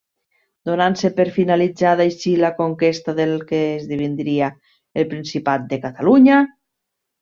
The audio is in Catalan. Donant-se per finalitzada així la conquesta del que esdevindria el Principat de Catalunya.